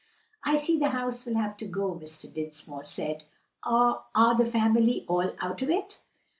"I see the house will have to go," Mr. Dinsmore said. "Are the family all out of it?"